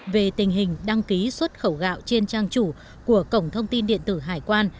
về tình hình đăng ký xuất khẩu gạo trên trang chủ của cổng thông tin điện tử hải quan